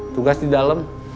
tugas di dalam